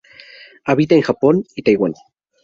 Habita en Japón y Taiwán.